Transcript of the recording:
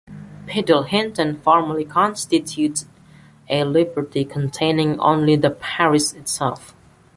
Piddlehinton formerly constituted a liberty containing only the parish itself.